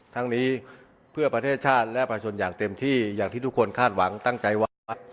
ทั้งนี้เพื่อประเทศชาติและประชาชนอย่างเต็มที่อย่างที่ทุกคนคาดหวังตั้งใจว่า